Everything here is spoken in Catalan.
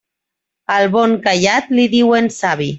Al bon callat li diuen savi.